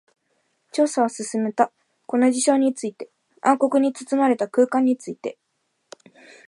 調査を進めた。この事象について、暗黒に包まれた空間について。